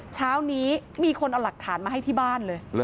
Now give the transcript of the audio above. เช้านี้มีคนเอาหลักฐานมาให้ที่บ้านเลย